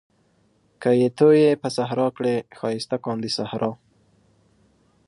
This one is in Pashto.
که يې تويې په صحرا کړې ښايسته کاندي صحرا